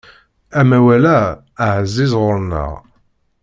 Amawal-a ɛziz ɣur-neɣ.